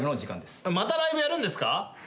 またライブやるんですか？